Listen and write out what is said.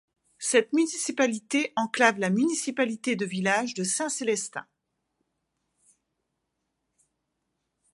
Cette municipalité enclave la municipalité de village de Saint-Célestin.